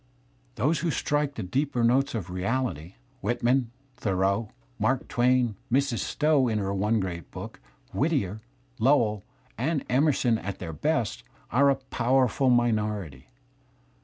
Those who stri ke^^ c^^^ t he deeper notes of reality. Whitman, Thoreau, Mark Twam ^S^/^ Mrs. Stowe in her one great book, Whittier, Lowell and Emer tf /' son at their best, are a powerful minority.